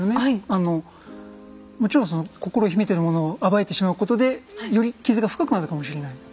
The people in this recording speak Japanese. あのもちろんその心秘めてるものを暴いてしまうことでより傷が深くなるかもしれない。